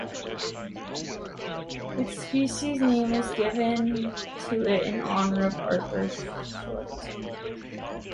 Its species name was given to it in honor of Arthur Schott.